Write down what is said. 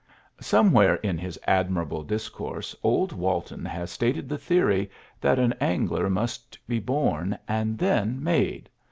Somewhere in his admirable discourse old Walton has stated the theory that an angler must be born and then made.